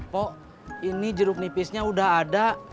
kok ini jeruk nipisnya udah ada